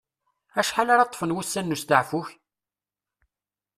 Acḥal ara ṭṭfen wussan n usteɛfu-k?